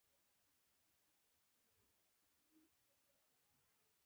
د ماشوم خندا خالصه خوښي ده.